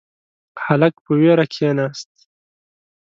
هلک په وېره کښیناست.